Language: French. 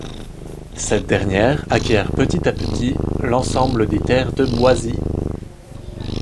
Cette dernière acquiert petit à petit l'ensemble des terres de Boisy.